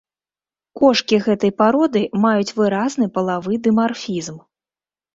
Кошкі гэтай пароды маюць выразны палавы дымарфізм.